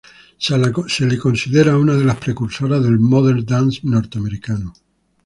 Se la considera una de las precursoras del "modern dance" norteamericano.